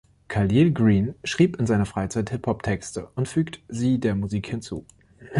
Khalil Greene schreibt in seiner Freizeit Hip-Hop-Texte und fügt sie der Musik hinzu.